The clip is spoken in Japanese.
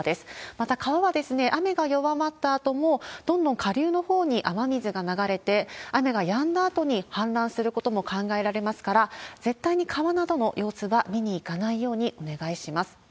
また、川は雨が弱まったあとも、どんどん下流のほうに雨水が流れて、雨がやんだあとに氾濫することも考えられますから、絶対に川などの様子は見に行かないようにお願いします。